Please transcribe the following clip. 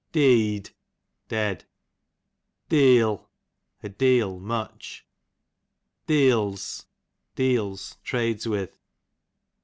Deeod, dead. Deeol, a deal, much. Deeds, deals, trades with.